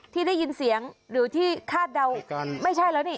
ที่ได้ยินเสียงหรือที่คาดเดากันไม่ใช่แล้วนี่